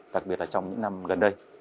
đặc biệt là trong những năm gần đây